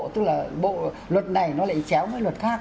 tức là bộ luật này nó lại chéo với luật khác